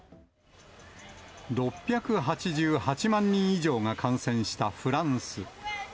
６８８万人以上が感染したフランス。